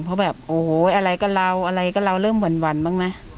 เพราะแบบโอ้โหอะไรก็เราอะไรก็เราเริ่มหวั่นบ้างไหม